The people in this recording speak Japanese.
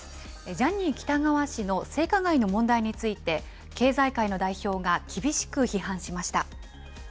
ジャニー喜多川氏の性加害の問題について、経済界の代表が厳しく批判しました。